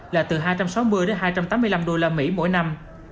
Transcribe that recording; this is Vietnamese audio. là từ hai trăm sáu mươi đến hai trăm tám mươi năm usd mỗi năm